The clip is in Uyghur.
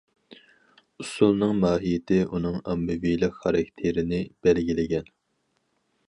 ئۇسسۇلنىڭ ماھىيىتى ئۇنىڭ ئاممىۋىلىق خاراكتېرىنى بەلگىلىگەن.